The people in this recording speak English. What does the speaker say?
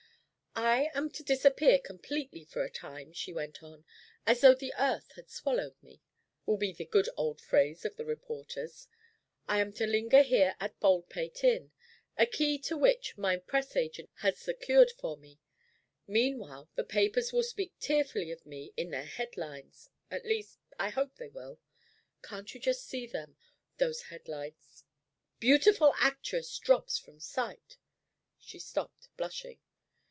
"I am to disappear completely for a time," she went on. "'As though the earth had swallowed me' will be the good old phrase of the reporters. I am to linger here at Baldpate Inn, a key to which my press agent has secured for me. Meanwhile, the papers will speak tearfully of me in their head lines at least, I hope they will. Can't you just see them those head lines? 'Beautiful Actress Drops from Sight'." She stopped, blushing.